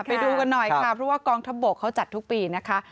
ไปดูกันหน่อยค่ะเพราะว่ากองทัพบกเขาจัดทุกปีนะคะ